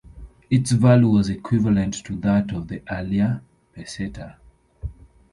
Its value was equivalent to that of the earlier peseta.